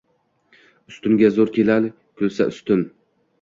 Ustunga zo’r kelar kulasa ustun.